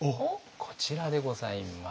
こちらでございます。